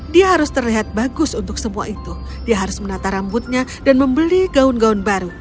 dia harus terlihat bagus untuk semua itu dia harus menata rambutnya dan membeli gaun gaun baru